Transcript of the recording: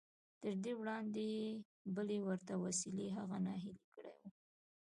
تر دې وړاندې بلې ورته وسیلې هغه ناهیلی کړی و